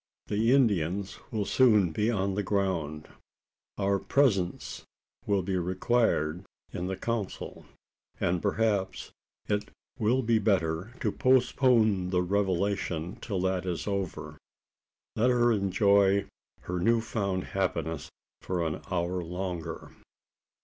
The Indians will soon be on the ground. Our presence will be required in the council; and perhaps it will be better to postpone the revelation till that is over? Let her enjoy her new found happiness for an hour longer."